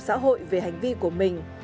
xã hội về hành vi của mình